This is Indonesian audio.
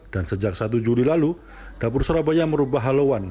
dan sejak satu juli lalu dapur surabaya merubah halauan